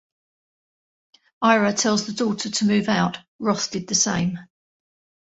Ira tells the daughter to move out, Roth did the same.